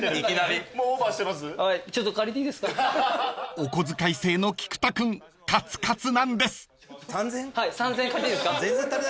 ［お小遣い制の菊田君カツカツなんです］